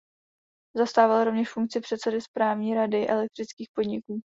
Zastával rovněž funkci předsedy správní rady elektrických podniků.